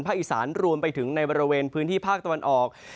อีสานรวมไปถึงในบริเวณพื้นที่ภาคตะวันออก